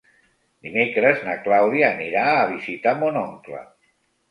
Dimecres na Clàudia anirà a visitar mon oncle.